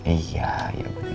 iya ya bener